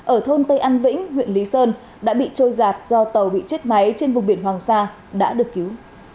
ở thôn tây an vĩnh huyện lý sơn đã bị trôi giạt do tàu bị chết máy trên vùng biển hoàng sa đã được cứu